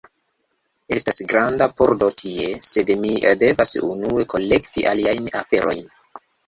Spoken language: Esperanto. Estas granda pordo tie, sed mi devas unue kolekti aliajn aferojn.